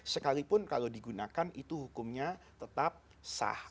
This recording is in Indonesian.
sekalipun kalau digunakan itu hukumnya tetap sah